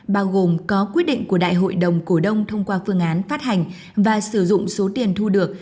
bao gồm có quyết định của đại hội đồng cổ đông thông qua phương án phát hành và sử dụng số tiền thu được